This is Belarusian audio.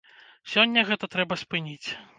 Сёння гэта трэба спыніць!